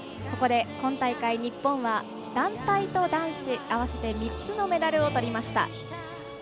ここで今大会、日本は団体と男子合わせて３つのメダルをとりました。